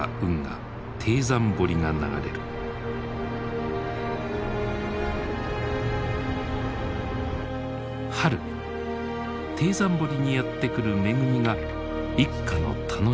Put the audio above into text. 春貞山堀にやって来る恵みが一家の楽しみだった。